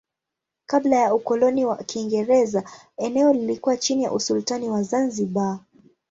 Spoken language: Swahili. Kabla ya ukoloni wa Kiingereza eneo lilikuwa chini ya usultani wa Zanzibar.